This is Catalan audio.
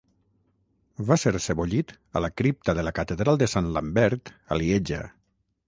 Va ser sebollit a la cripta de la catedral de Sant Lambert a Lieja.